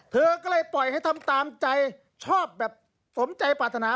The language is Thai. เธอก็เลยปล่อยให้ทำตามใจชอบแบบสมใจปรารถนา